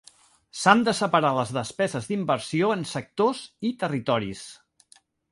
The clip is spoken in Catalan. S'han de separar les despeses d'inversió en sectors i territoris.